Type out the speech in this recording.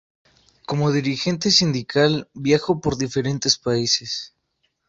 Como dirigente sindical, viajó por diferentes países.